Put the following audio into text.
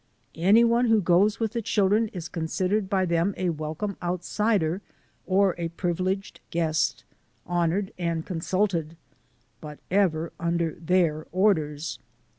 Any one who goes with the children is considered by them a welcome outsider or a privileged guest, honoured and consulted, but ever under their orders.